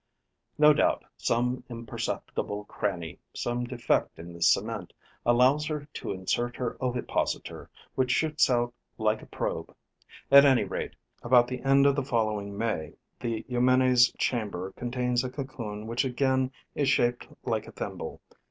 No doubt some imperceptible cranny, some defect in the cement, allows her to insert her ovipositor, which shoots out like a probe. At any rate, about the end of the following May, the Eumenes' chamber contains a cocoon which again is shaped like a thimble.